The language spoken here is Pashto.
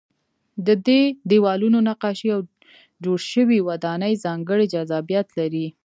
د دې دیوالونو نقاشۍ او جوړې شوې ودانۍ ځانګړی جذابیت لري.